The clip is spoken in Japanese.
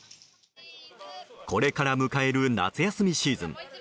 これから迎える夏休みシーズン。